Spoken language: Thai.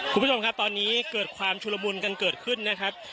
คุณผู้ชมครับตอนนี้เกิดความชุลมุนกันเกิดขึ้นนะครับ